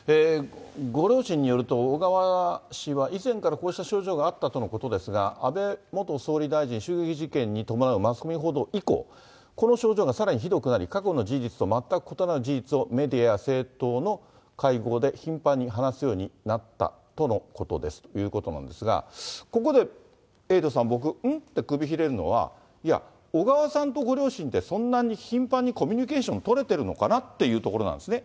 ご両親によると小川氏は、以前からこうした症状があったとのことですが、安倍元総理大臣襲撃事件に伴うマスコミ報道以降、この症状がさらにひどくなり、過去の事実と全く異なる事実をメディアや政党の会合で頻繁に話すようになったとのことですということなんですが、ここでエイトさん、僕、ん？って首ひねるのは、いや、小川さんとご両親って、そんなに頻繁にコミュニケーション取れてるのかなっていうところなんですね。